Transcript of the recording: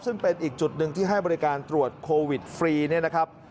ซึ่งเป็นอีกจุดหนึ่งที่ให้บริการตรวจโควิดฟรีเนี่ยนะครับ